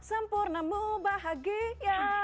sempurna mu bahagia